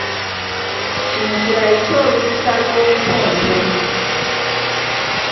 Kino kye bayita olukusa lw’omutontomi.